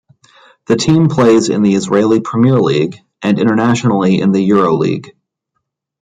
The team plays in the Israeli Premier League and internationally in the EuroLeague.